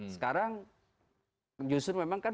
sekarang justru memang kan